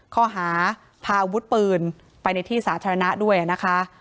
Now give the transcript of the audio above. ข้อหาพาอาวุธปืนไปในที่สาธารณะด้วยนะคะ